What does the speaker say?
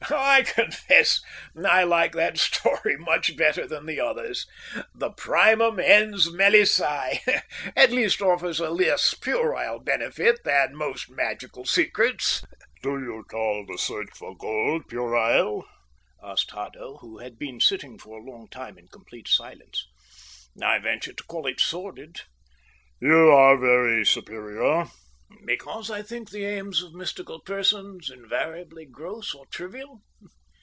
"I confess I like that story much better than the others. The Primum Ens Melissæ at least offers a less puerile benefit than most magical secrets." "Do you call the search for gold puerile?" asked Haddo, who had been sitting for a long time in complete silence. "I venture to call it sordid." "You are very superior." "Because I think the aims of mystical persons invariably gross or trivial?